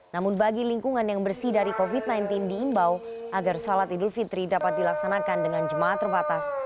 namun bagi lingkungan yang bersih dari covid sembilan belas diimbau agar sholat idul fitri dapat dilaksanakan dengan jemaah terbatas